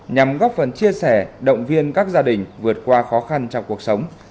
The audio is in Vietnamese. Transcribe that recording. nhằm góp phần chia sẻ động viên các gia đình vượt qua khó khăn trong cuộc sống